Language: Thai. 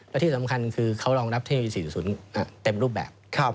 และที่สำคัญคือเขารองรับเทคโนโลยี๔๐เต็มรูปแบบ